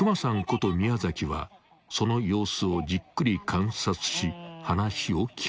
こと宮はその様子をじっくり観察し話を聞く］